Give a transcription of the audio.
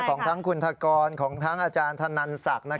ของทั้งคุณธกรของทั้งอาจารย์ธนันศักดิ์